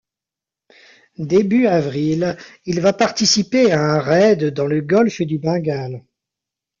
Début avril, il va participer à un raid dans le golfe du Bengale.